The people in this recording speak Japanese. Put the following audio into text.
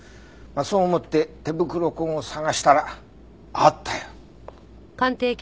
そう思って手袋痕を捜したらあったよ。